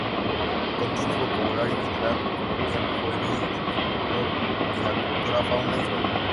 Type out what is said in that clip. Contiene vocabulario general, coloquial, juvenil, del folclor y la cultura, fauna y flora.